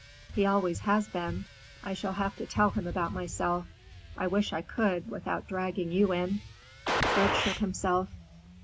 "He always has been. I shall have to tell him about myself. I wish I could without dragging you in." Fred shook himself.